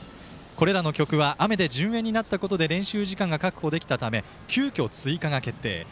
これらの曲は雨の順延で練習時間が確保できたため急きょ追加が決定。